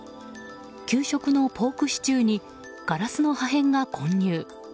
給食のポークシチューにガラスの破片が混入。